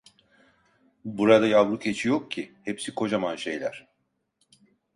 Burada yavru keçi yok ki, hepsi kocaman şeyler!